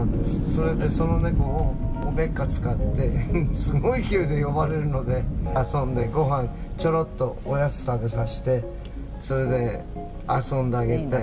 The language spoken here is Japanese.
「それでその猫をおべっか使って」「すごい勢いで呼ばれるので遊んでごはんちょろっとおやつ食べさせてそれで遊んであげて」